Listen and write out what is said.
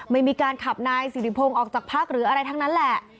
ไม่มีการขับนายสิริพงศ์ออกจากพักหรืออะไรทั้งนั้นแหละ